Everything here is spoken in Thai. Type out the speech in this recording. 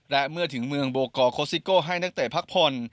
และเมื่อถึงเมืองโบกอร์โคสิโก้ให้นักเตะพักผ่อน